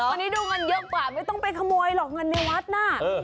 วันนี้ดูเงินเยอะกว่าไม่ต้องไปขโมยหรอกเงินในวัดน่ะ